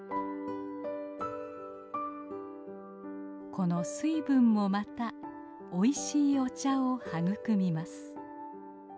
この水分もまたおいしいお茶を育みます。